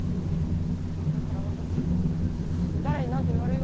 だから俺たち誰に何と言われようとやるんだ。